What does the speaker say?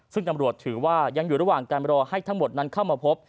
ซึ่งตำรวจถือว่ายังอยู่ระหว่างการรอให้ทั้งหมดนั้นเข้ามาพบ